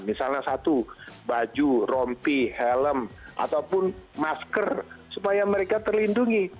misalnya satu baju rompi helm ataupun masker supaya mereka terlindungi